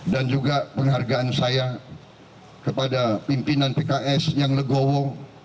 dan juga penghargaan saya kepada pimpinan pks yang legowo